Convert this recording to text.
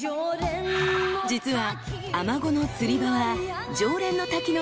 ［実は］